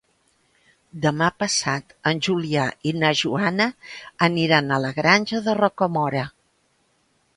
Demà passat en Julià i na Joana aniran a la Granja de Rocamora.